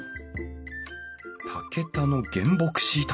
竹田の原木しいたけ。